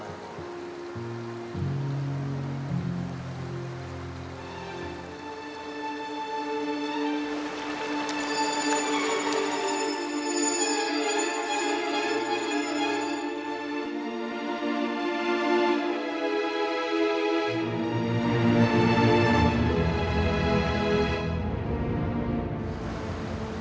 dan untuk memperoleh